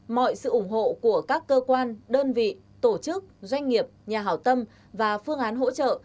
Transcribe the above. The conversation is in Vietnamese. mọi sự ủng hộ của các cơ quan đơn vị tổ chức doanh nghiệp nhà hảo tâm và phương án hỗ trợ